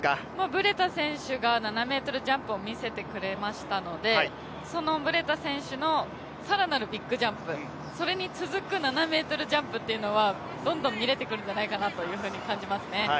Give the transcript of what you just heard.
ブレタ選手が７ｍジャンプを見せてくれましたので、そのブレタ選手の更なるビッグジャンプ、それに続く７ｍジャンプというのがどんどん見れてくるんじゃないかなと感じますね。